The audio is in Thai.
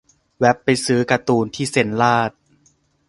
แว่บไปซื้อการ์ตูนที่เซ็นลาด